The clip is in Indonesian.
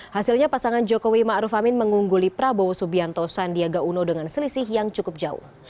hasilnya pasangan jokowi ⁇ maruf ⁇ amin mengungguli prabowo subianto sandiaga uno dengan selisih yang cukup jauh